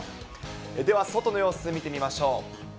では外の様子見てみましょう。